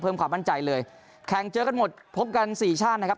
ความมั่นใจเลยแข่งเจอกันหมดพบกันสี่ชาตินะครับ